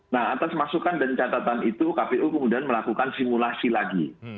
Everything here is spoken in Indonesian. nah atas masukan dan catatan itu kpu kemudian melakukan simulasi lagi